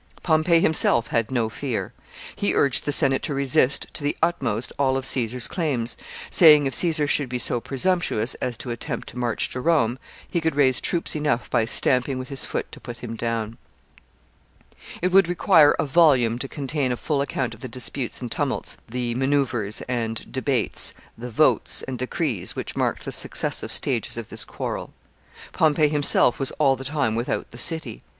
Pompey himself had no fear. He urged the Senate to resist to the utmost all of Caesar's claims, saying, if Caesar should be so presumptuous as to attempt to march to Rome, he could raise troops enough by stamping with his foot to put him down. [Sidenote: Debates in the Senate.] [Sidenote: Tumult and confusion.] [Sidenote: Panic at Rome.] It would require a volume to contain a full account of the disputes and tumults, the maneuvers and debates, the votes and decrees which marked the successive stages of this quarrel. Pompey himself was all the time without the city.